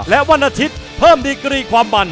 และวันอาทิตย์เพิ่มดีกรีความมัน